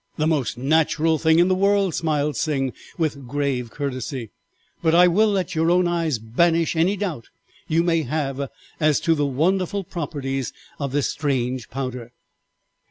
"'The most natural thing in the world,' smiled Sing with grave courtesy, 'but I will let your own eyes banish any doubt you may have as to the wonderful properties of this strange powder.